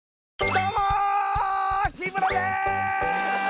どうも日村でーす！